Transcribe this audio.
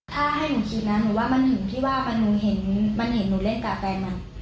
ถ้าให้หนูคิดนะหนูว่ามันถึงที่ว่าหนูเห็นมันเห็นหนูเล่นกับแฟนอ่ะ